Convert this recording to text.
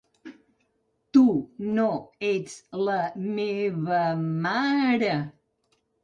Tu, no, ets, la, me, va, ma, re.